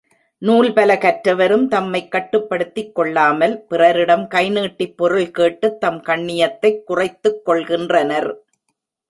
நூல் பல கற்றவரும் தம்மைக் கட்டுப்படுத்திக் கொள்ளாமல் பிறரிடம் கைநீட்டிப் பொருள் கேட்டுத் தம் கண்ணியத்தைக் குறைத்துக்கொள்கின்றனர்.